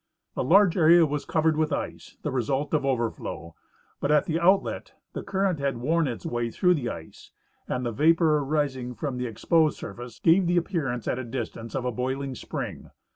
A large area was covered with ice, the result of overflow, but at the outlet the current had worn its way through the ice. and the vapor arising from the exjDosed surface gave the appearance, at a distance, of a l^oiling spring.